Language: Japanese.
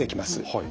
はい。